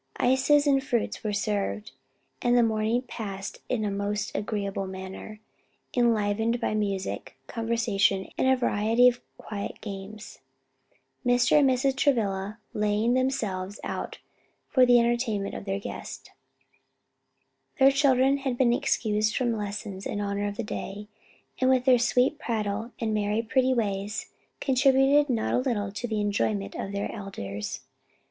Ices and fruits were served, and the morning passed in a most agreeable manner, enlivened by music, conversation, and a variety of quiet games; Mr. and Mrs. Travilla laying themselves out for the entertainment of their guests. Their children had been excused from lessons in honor of the day, and with their sweet prattle, and merry pretty ways, contributed not a little to the enjoyment of their elders.